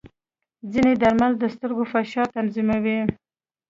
ځینې درمل د سترګو فشار تنظیموي.